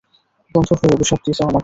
বন্ধু হয়ে অভিশাপ দিছ আমাকে!